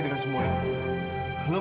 jadi gasanya otsyat dia